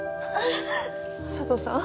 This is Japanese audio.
佐都さん！